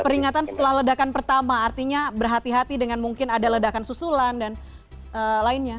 peringatan setelah ledakan pertama artinya berhati hati dengan mungkin ada ledakan susulan dan lainnya